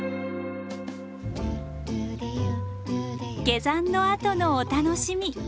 下山のあとのお楽しみ。